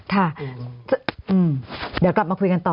ค่ะเดี๋ยวกลับมาคุยกันต่อ